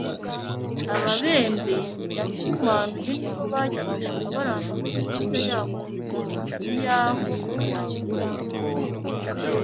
Ababembe yahumanuye ni bo bagendaga barambika imyenda yabo mu nzira y'aho anyna